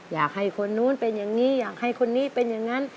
อยากให้คนนู้นเป็นอย่างนี้อยากให้คนนี้เป็นอย่างนั้น